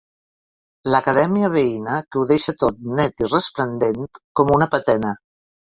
L'acadèmia veïna que ho deixa tot net i resplendent com una patena.